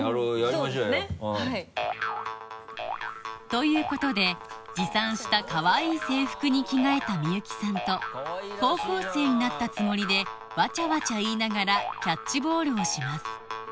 そうですね。ということで持参したかわいい制服に着替えた三由紀さんと高校生になったつもりでワチャワチャ言いながらキャッチボールをします